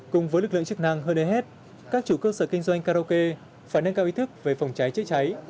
cùng với lực lượng chức năng hơn ai hết các chủ cơ sở kinh doanh karaoke phải nâng cao ý thức về phòng cháy chữa cháy